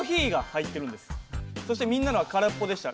そしてみんなのは空っぽでした。